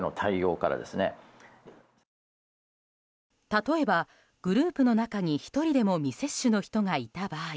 例えばグループの中に１人でも未接種の人がいた場合